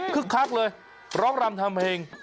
คักเลยร้องรำทำเพลง